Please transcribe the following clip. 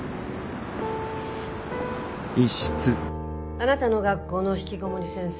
あなたの学校のひきこもり先生